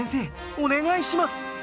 お願いします！